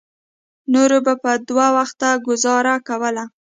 نورو به په دوه وخته ګوزاره کوله.